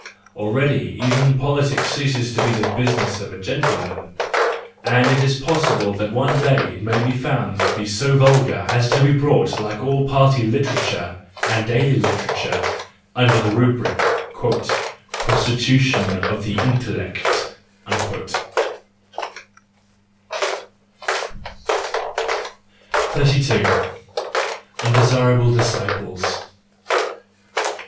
Already even politics ceases to be the business of a gentleman ; and it is possible that one day it may be found to be so vulgar as to be brought, like all party literature and daily literature, under the rubric :" Prostitution of the intellect." THE JOYFUL WISDOM, I 73 32. Undesirable Disciples